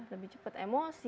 lebih cepat emosi